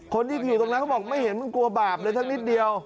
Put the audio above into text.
คนที่อยู่ตรงนั้นเขาบอกไม่เห็นมันกลัวบาปเลยสักนิดเดียว